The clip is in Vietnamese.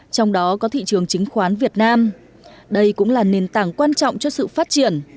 trong đó có thị trường chứng khoán việt nam đây cũng là nền tảng quan trọng cho sự phát triển